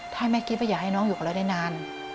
ถ้าแม่กิ๊บอยากให้น้องอยู่กับเราได้นาน